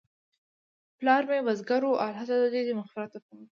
پلار مې بزګر و، الله ج دې مغفرت ورته وکړي